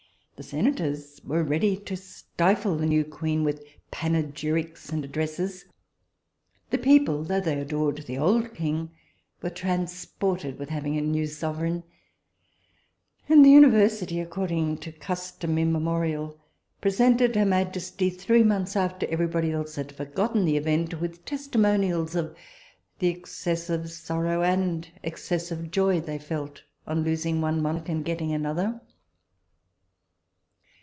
The senators were ready to stifle the new queen with panegyrics and addresses; the people, though they adored the old king, were transported with having a new sovereign, and the university, according to custom immemorial, presented her majesty, three months after every body had forgotten the event, with testimonials of the excessive sorrow and excessive joy they felt on losing one monarch and getting another.